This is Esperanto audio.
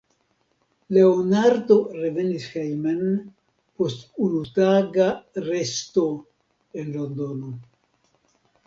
Leonardo revenis hejmen post unutaga resto en Londono.